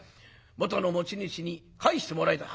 元の持ち主に返してもらいたい」。